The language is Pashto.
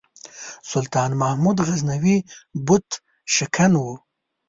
سلطان محمود غزنوي بُت شکن و.